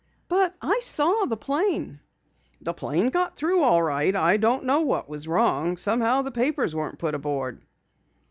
"But I saw the plane." "The plane got through all right. I don't know what was wrong. Somehow the papers weren't put aboard."